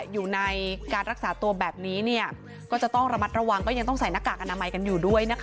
อยู่ในการรักษาตัวแบบนี้ก็จะต้องระมัดระวังก็ยังต้องใส่หน้ากากอนามัยกันอยู่ด้วยนะคะ